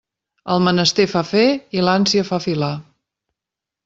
El menester fa fer i l'ànsia fa filar.